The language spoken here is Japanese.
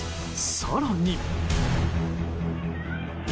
更に。